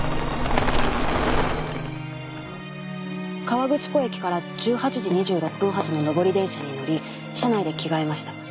「河口湖駅から１８時２６分発の上り電車に乗り車内で着替えました」